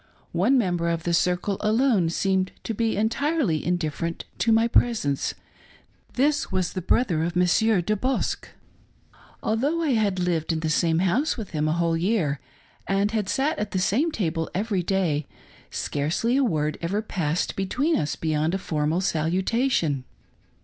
One member of the circle alone seemed to be entirely indifferent to my presence ; this was the brother of Monsieur De Bosque. Though I had lived in the same 3<5 A PRESENT FOR "MADEMOISELLE MISS." house with him a whole year, and had sat at the same table every day, scarcely a word had ever passed between us beyond a formal salutation.